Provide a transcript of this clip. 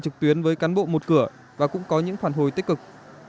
trực tuyến với cán bộ một cửa và cũng có những phản hồi tích cực